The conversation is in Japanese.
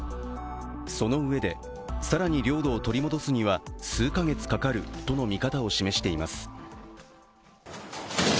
そのうえで更に領土を取り戻すには数か月かかるとの見方を示しています。